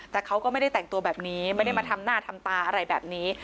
แต่เขาก็ไม่ได้แต่งตัวแบบนี้ไม่ได้มาทำหน้าทำตาอะไรแบบนี้